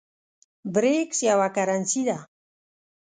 برېکس یوه کرنسۍ ده